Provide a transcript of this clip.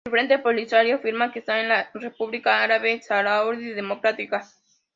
El Frente Polisario afirma que está en la República Árabe Saharaui Democrática.